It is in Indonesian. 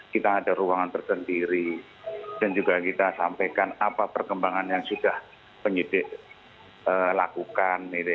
kita ada ruangan tersendiri dan juga kita sampaikan apa perkembangan yang sudah penyidik lakukan